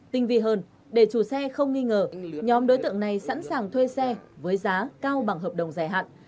tinh vi hơn để chủ xe không nghi ngờ nhóm đối tượng này sẵn sàng thuê xe với giá cao bằng hợp đồng dài hạn